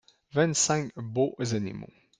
Vingt-cinq beaux animaux.